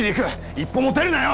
一歩も出るなよ！